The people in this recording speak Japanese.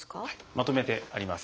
まとめてあります。